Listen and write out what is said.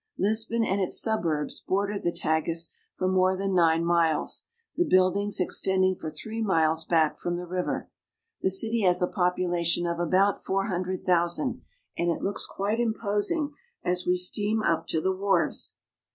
Lisbon and its suburbs border the Tagus for more than nine miles, the buildings extending for three miles back Lisbon. from the river. The city has a population of about four hundred thousand, and it looks quite imposing as we steam up to the wharves.